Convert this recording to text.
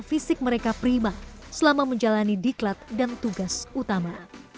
fisik mereka prima selama menjalani diklat dan tugas utama